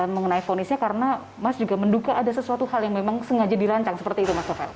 mengenai fonisnya karena mas juga menduga ada sesuatu hal yang memang sengaja dirancang seperti itu mas novel